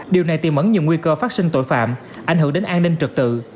điều này tiềm ẩn nhiều nguy cơ phát sinh tội phạm ảnh hưởng đến an ninh trực tự